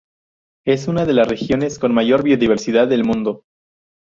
Es una de las regiones con mayor biodiversidad del mundo.